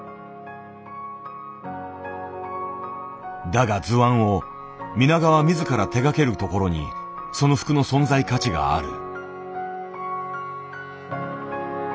だが図案を皆川自ら手がけるところにその服の存在価値がある。